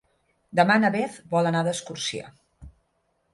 Demà na Beth vol anar d'excursió.